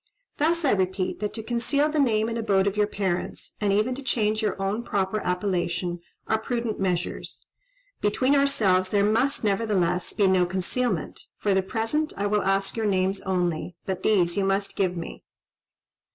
Thus, I repeat, that to conceal the name and abode of your parents, and even to change your own proper appellation, are prudent measures. Between ourselves there must, nevertheless, be no concealment: for the present I will ask your names only, but these you must give me."